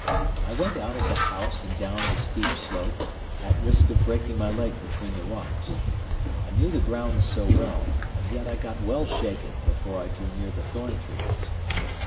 I went out of the house and down the steep slope, at risk of breaking my leg between the rocks. I knew the ground so well and yet I got well shaken before I drew near the thorn trees.